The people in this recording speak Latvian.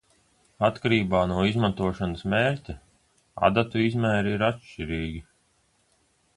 Atkarībā no izmantošanas mērķa, adatu izmēri ir atšķirīgi.